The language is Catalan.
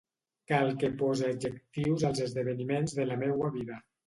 Cal que pose adjectius als esdeveniments de la meua vida.